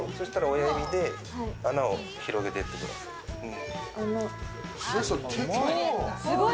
親指で穴を広げていってください。